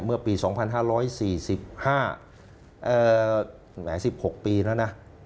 เมื่อปี๒๕๔๕แหม๑๖ปีแล้วนะ